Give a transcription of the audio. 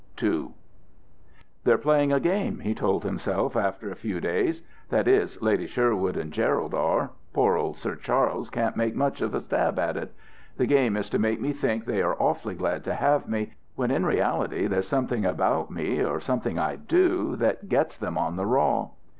II "They're playing a game," he told himself after a few days. "That is, Lady Sherwood and Gerald are poor old Sir Charles can't make much of a stab at it. The game is to make me think they are awfully glad to have me, when in reality there's something about me, or something I do, that gets them on the raw."